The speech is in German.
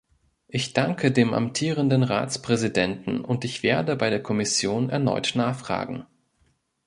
Ich danke dem amtierenden Ratspräsidenten und ich werde bei der Kommission erneut nachfragen.